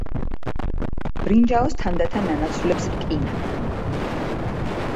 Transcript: ბრინჯაოს თანდათან ანაცვლებს რკინა